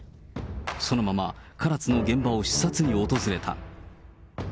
そのまま、唐津の現場を視察に訪れた。